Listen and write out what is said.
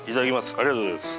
ありがとうございます。